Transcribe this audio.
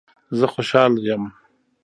زه خوشحال یم